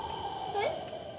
えっ？